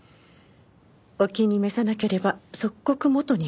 お気に召さなければ即刻元に戻します。